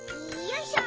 よいしょ。